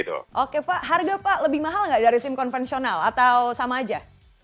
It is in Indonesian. oke pak harga lebih mahal tidak dari sim konvensional atau sama saja